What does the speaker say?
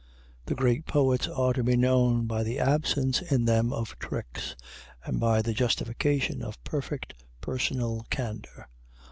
The great poets are to be known by the absence in them of tricks, and by the justification of perfect personal candor.